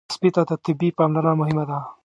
سپي ته طبي پاملرنه مهمه ده.